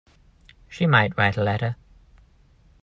She might write a letter.